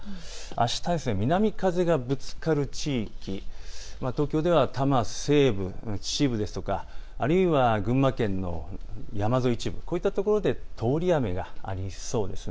あしたは南風がぶつかる地域、東京では多摩西部、秩父ですとか群馬県の山沿い、こういったところで通り雨がありそうです。